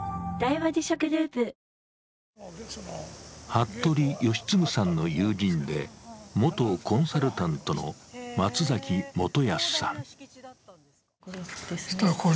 服部吉次さんの友人で元コンサルタントの松崎基泰さん。